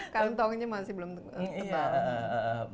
kantongnya masih belum tebal